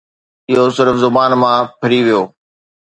اهو صرف زبان مان ڦري ويو